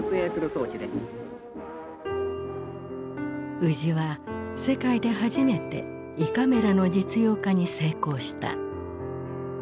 宇治は世界で初めて胃カメラの実用化に成功した。